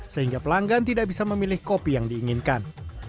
sehingga pelanggan tidak bisa memilih kopi yang diinginkan